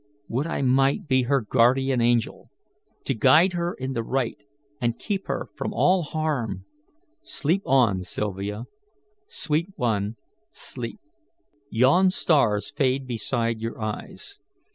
"Would I might be her guardian angel, to guide her in the right and keep her from all harm! Sleep on, Sylvia. Sweet one, sleep. Yon stars fade beside your eyes.